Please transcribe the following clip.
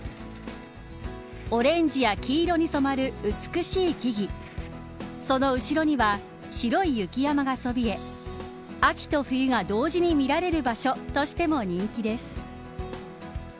オレンジや黄色に染まるその後ろには白い雪山がそびえ、秋と冬が同時に見られる場所としても人気です。